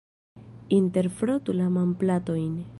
Interfrotu la manplatojn.